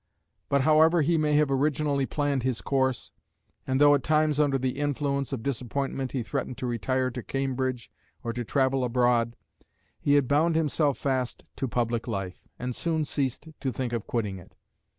But however he may have originally planned his course, and though at times under the influence of disappointment he threatened to retire to Cambridge or to travel abroad, he had bound himself fast to public life, and soon ceased to think of quitting it.